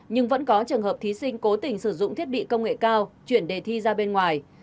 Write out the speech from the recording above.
nhưng vẫn có trường hợp thí sinh cố tình sử dụng thiết bị công nghệ cao chuyển đề thi ra bên ngoài